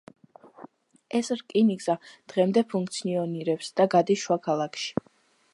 ეს რკინიგზა დღემდე ფუნქციონირებს და გადის შუა ქალაქში.